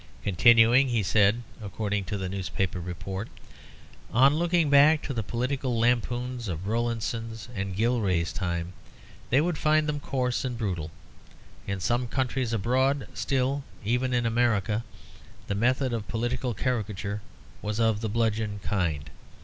Continuing, he said, according to the newspaper report, "On looking back to the political lampoons of Rowlandson's and Gilray's time they would find them coarse and brutal. In some countries abroad still, 'even in America,' the method of political caricature was of the bludgeon kind.